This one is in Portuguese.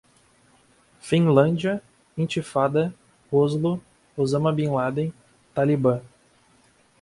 Finlândia, intifada, Oslo, Osama Bin Laden, Talibã